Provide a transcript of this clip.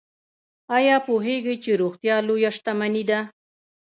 ایا پوهیږئ چې روغتیا لویه شتمني ده؟